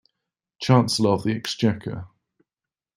Chancellor of the Exchequer